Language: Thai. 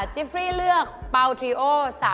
จิฟรีเลือกเป่าสามสีทรีโอ